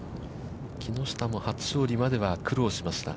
木下も初勝利までは苦労しました。